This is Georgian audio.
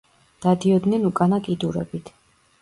დადიოდნენ უკანა კიდურებით.